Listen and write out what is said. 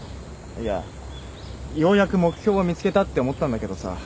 いやようやく目標を見つけたって思ったんだけどさ